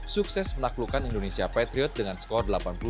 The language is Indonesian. sukses menaklukkan indonesia patriot dengan skor delapan puluh dua lima puluh enam